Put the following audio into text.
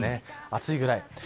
暑いぐらい。